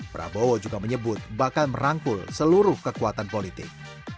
prabowo juga menyebut bahkan merangkul seluruh kekuatan politik